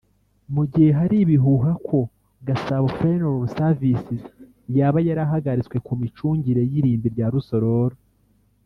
Mu gihe hari ibihuha ko Gasabo Funeral Services yaba yarahagaritswe ku micungire y’irimbi rya Rusororo